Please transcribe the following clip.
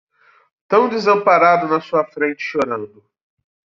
Tão desamparado na sua frente chorando